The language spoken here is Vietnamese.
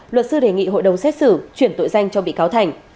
luật sư đề nghị hội đồng xét xử chuyển tội danh cho bị cáo thành